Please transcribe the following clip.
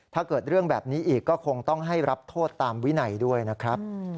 ถ้าเกิดเรื่องแบบนี้อีกก็คงต้องให้รับโทษตามวินัยด้วยนะครับ